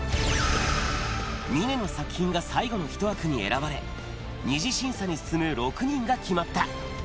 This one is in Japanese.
峰の作品が最後の１枠に選ばれ、２次審査に進む６人が決まった。